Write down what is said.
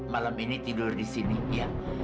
malam ini tidur di sini ya